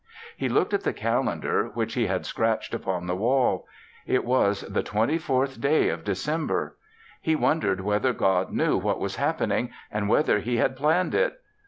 He looked at the calendar which he had scratched upon the wall. It was the twenty fourth day of December. He wondered whether God knew what was happening and whether He had planned it.